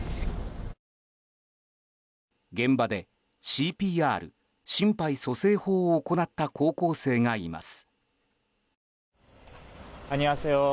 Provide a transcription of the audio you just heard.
現場で、ＣＰＲ・心肺蘇生法を行った高校生がいます。